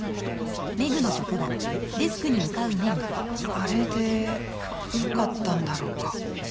あれで良かったんだろうか。